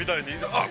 あっ！